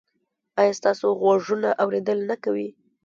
ایا ستاسو غوږونه اوریدل نه کوي؟